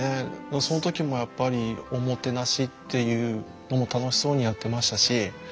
その時もやっぱりおもてなしっていうのも楽しそうにやってましたし。